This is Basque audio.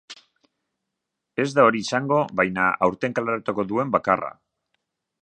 Ez da hori izango, baina, aurten kaleratuko duen bakarra.